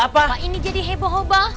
apa ini jadi heboh hebat